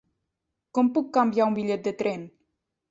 Com puc canviar un bitllet de tren?